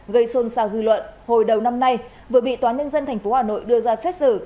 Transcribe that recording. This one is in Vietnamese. gây xôn xào dư luận hồi đầu năm nay vừa bị toán nhân dân thành phố hà nội đưa ra xét xử